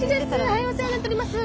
はいお世話になっております。